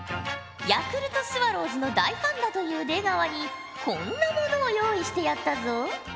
ヤクルトスワローズの大ファンだという出川にこんなものを用意してやったぞ。